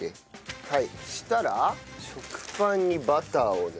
そしたら食パンにバターを塗る。